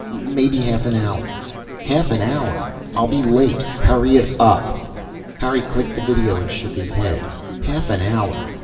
Maybe half an hour." "Half an hour? I'll be late. Hurry it up!" Harry clicked the video and shook his head. Half an hour!